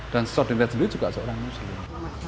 dan secodiningrat sendiri juga seorang muslim